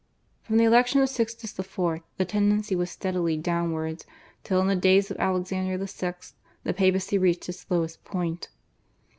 From the election of Sixtus IV. the tendency was steadily downwards, till in the days of Alexander VI. the Papacy reached its lowest point.